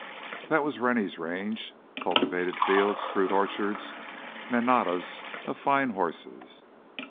That was Rennie's Range—cultivated fields, fruit orchards, manadas of fine horses.